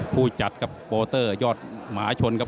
ผู้จัดกับโบเตอร์ยอดมหาชนครับ